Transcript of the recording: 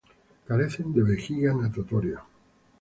Carecen de vejiga natatoria.